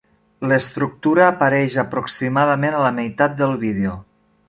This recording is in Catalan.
L'estructura apareix aproximadament a la meitat del vídeo.